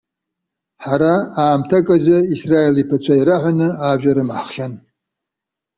Ҳара, аамҭак азы Исраил иԥацәа ираҳәаны, ажәа рымаҳххьан.